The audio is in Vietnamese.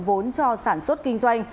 vốn cho sản xuất kinh doanh